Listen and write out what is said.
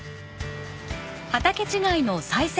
畑違いの再生